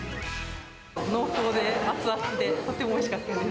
濃厚で熱々でとてもおいしかったです。